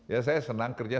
ya saya senang kerja